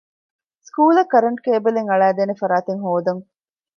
ސްކޫލަށް ކަރަންޓް ކޭބަލެއް އަޅައިދޭނެ ފަރާތެއް ހޯދަން